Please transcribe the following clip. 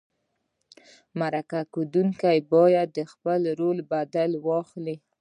مرکه کېدونکی باید د خپل رول بدل واخلي.